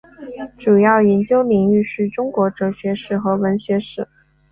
主要研究领域是中国哲学史和文学史。